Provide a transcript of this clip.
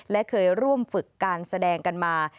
และเคยร่วมฝึกการแสดงกันมา